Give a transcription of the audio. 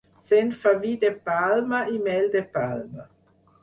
Se'n fa vi de palma i mel de palma.